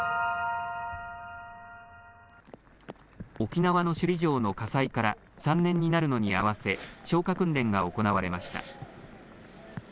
沖縄の首里城の火災から３年になるのに合わせ消火訓練が行われました。